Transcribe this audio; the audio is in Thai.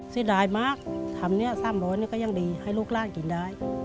เสียดายมากทำเนี่ย๓๐๐นี่ก็ยังดีให้ลูกร่างกินได้